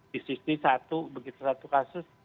di safety satu begitu satu kasus